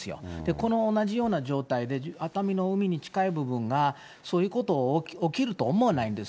この同じような状態で、熱海の海に近い部分が、そういうこと起きると思わないんです。